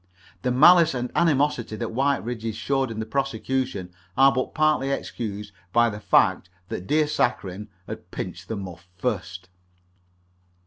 The malice and animosity that Whiteridge's showed in the prosecution are but partly excused by the fact that dear Saccharine had pinched the muff first.